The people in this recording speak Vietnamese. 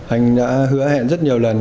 anh đã hứa hẹn rất nhiều lần